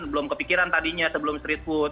belum kepikiran tadinya sebelum street food